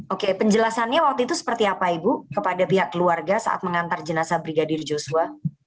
oke penjelasannya waktu itu seperti apa ibu kepada pihak keluarga saat mengantar jenazah brigadir joshua